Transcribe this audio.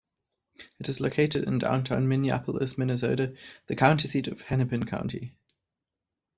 It is located in downtown Minneapolis, Minnesota, the county seat of Hennepin County.